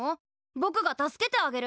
ぼくが助けてあげる。